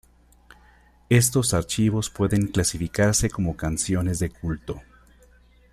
Estos archivos pueden clasificarse como canciones de culto.